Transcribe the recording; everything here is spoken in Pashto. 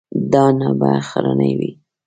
دا نه به اخرنی وي.